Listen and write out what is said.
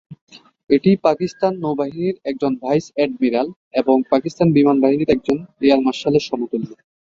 এটি পাকিস্তান নৌবাহিনীর একজন ভাইস অ্যাডমিরাল এবং পাকিস্তান বিমান বাহিনীর একজন এয়ার মার্শালের সমতুল্য।